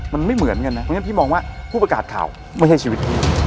มันไม่เหมือนกันนะเพราะฉะนั้นพี่มองว่าผู้ประกาศข่าวไม่ใช่ชีวิตพี่